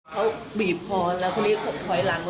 เขาบีบคอแล้วคนนี้ถอยหลัง